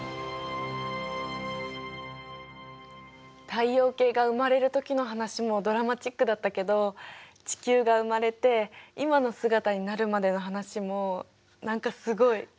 太陽系が生まれるときの話もドラマチックだったけど地球が生まれて今の姿になるまでの話も何かすごい。